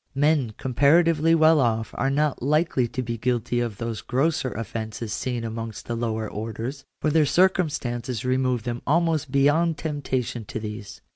Men comparatively well off are not likely to be guilty of those grosser offences seen amongst the lower orders, for their circumstances remove them almost beyond temptation to these.